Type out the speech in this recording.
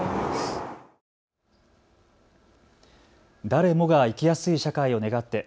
誰もが生きやすい社会を願って。